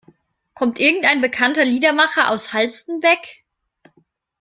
Kommt irgendein bekannter Liedermacher aus Halstenbek?